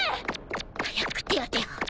早く手当てを。